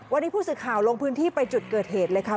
วันนี้ผู้สื่อข่าวลงพื้นที่ไปจุดเกิดเหตุเลยค่ะ